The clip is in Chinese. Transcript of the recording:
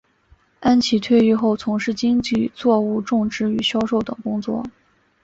安琦退役后从事经济作物种植与销售等工作。